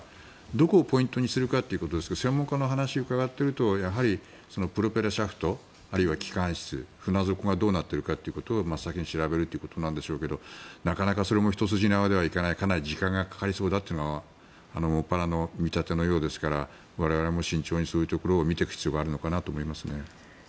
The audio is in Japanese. どこをポイントにするかということですが専門家の話を伺っているとやはり、プロペラシャフトあるいは機関室船底がどうなってるかってことを先に調べるということでしょうけどなかなかそれも一筋縄ではいかないかなり時間がかかりそうだというのがもっぱらの見立てのようですから我々も慎重にそういうところを見ていく必要があるのかなと思いますね。